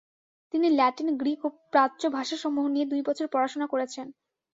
তিনি Latin, Greek ও প্রাচ্য ভাষাসমূহ নিয়ে দুই বছর পড়াশোনা করেছেন।